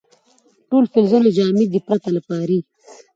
ټول فلزونه جامد دي پرته له پارې.